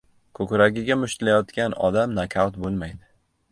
— Ko‘kragiga mushtlayotgan odam nokaut bo‘lmaydi.